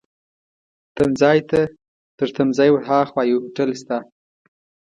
تمځای ته، تر تمځای ورهاخوا یو هوټل شته.